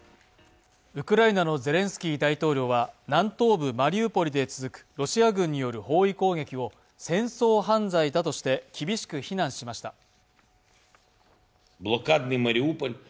ウクライナのゼレンスキー大統領は南東部マリウポリで続くロシア軍による包囲攻撃を戦争犯罪だとして厳しく非難しました。